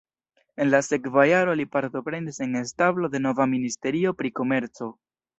En la sekva jaro li partoprenis en establo de nova ministerio pri komerco.